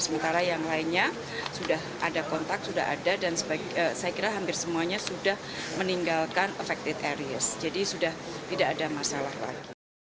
sementara yang lainnya sudah ada kontak sudah ada dan saya kira hampir semuanya sudah meninggalkan affected areas jadi sudah tidak ada masalah lagi